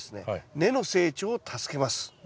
根の成長を助けます。